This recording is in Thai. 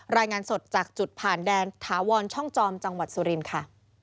รายงานสดจากจุดผ่านแดนถาวรช่องจอมจังหวัดสุรินทร์ค่ะ